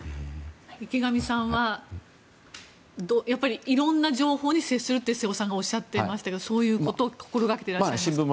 池上さんはいろんな情報に接するって瀬尾さんがおっしゃっていましたがそういうことを心がけていらっしゃいますか。